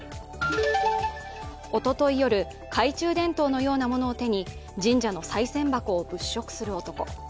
おととい夜、懐中電灯のようなものを手に神社のさい銭箱を物色する男。